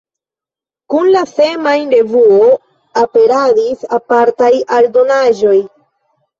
Kun la semajn-revuo aperadis apartaj aldonaĵoj.